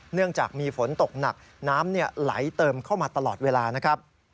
เนื่องจากมีฝนตกหนักน้ำไหลเติมเข้ามาตลอดเวลานะครับ